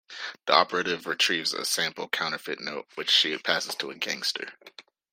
The operative retrieves a sample counterfeit note, which she passes to a gangster.